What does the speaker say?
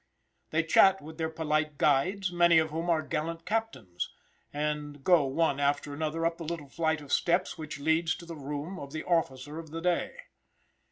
They chat with their polite guides, many of whom are gallant captains, and go one after another up the little flight of steps which leads to the room of the officer of the day.